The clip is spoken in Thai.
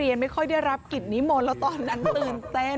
ไม่ค่อยได้รับกิจนิมนต์แล้วตอนนั้นตื่นเต้น